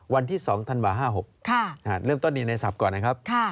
วันที่๒ธันวา๕๖เริ่มต้นดีในศัพท์ก่อนนะครับ